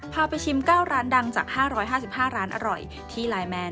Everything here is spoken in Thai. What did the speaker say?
พาไปชิม๙ร้านดังจาก๕๕ร้านอร่อยที่ไลน์แมน